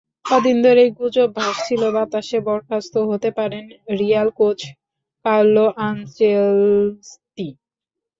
কদিন ধরেই গুজব ভাসছিল বাতাসে, বরখাস্ত হতে পারেন রিয়াল কোচ কার্লো আনচেলত্তি।